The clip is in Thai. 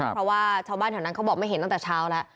เพราะว่าชาวบ้านมันบอกไม่เห็นตั้งแต่เช้าค่ะ